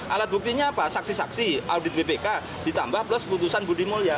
alat buktinya apa saksi saksi audit bpk ditambah plus putusan budi mulya